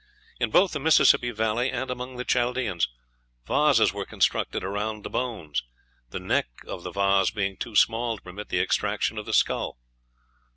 In both the Mississippi Valley and among the Chaldeans vases were constructed around the bones, the neck of the vase being too small to permit the extraction of the skull.